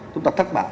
chúng ta thất bại